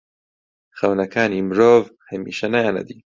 خەونەکانی مرۆڤ هەمیشە نایەنە دی.